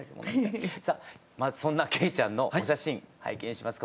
さあまずそんな惠ちゃんのお写真拝見します。